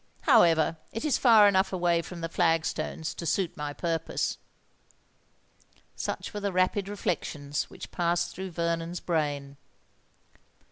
However, it is far enough away from the flag stones to suit my purpose." Such were the rapid reflections which passed through Vernon's brain.